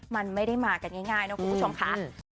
มันไม่ได้มากันง่ายนะคุณผู้ชมค่ะ